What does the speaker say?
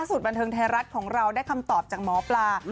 บันเทิงไทยรัฐของเราได้คำตอบจากหมอปลา